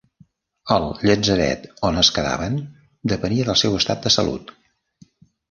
El llatzeret on es quedaven depenia del seu estat de salut.